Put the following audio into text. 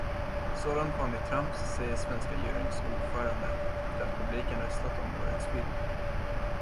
Sådant vanligt trams säger svenska juryns ordförande efter att publiken röstat om årets film.